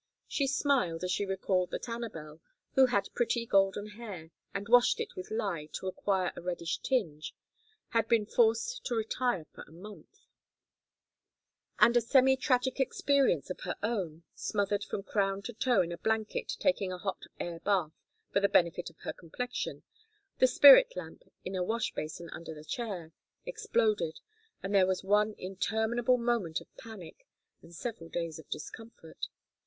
She smiled as she recalled that Anabel, who had pretty golden hair, had washed it with lye to acquire a reddish tinge, and been forced to retire for a month; and a semi tragic experience of her own smothered from crown to toe in a blanket taking a hot air bath for the benefit of her complexion, the spirit lamp, in a wash basin under the chair, exploded, and there was one interminable moment of panic, and several days of discomfort.